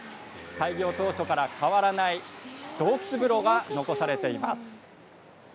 開業当初から変わらない洞窟風呂が残されています。